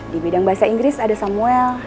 di bidang bahasa inggris ada samuel